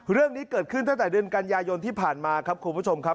เรื่องนี้เกิดขึ้นตั้งแต่เดือนกันยายนที่ผ่านมาครับคุณผู้ชมครับ